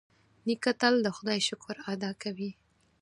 نیکه تل د خدای شکر ادا کوي.